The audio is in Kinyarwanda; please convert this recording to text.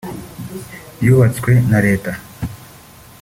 yubatswe na Leta